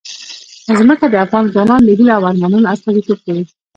ځمکه د افغان ځوانانو د هیلو او ارمانونو استازیتوب کوي.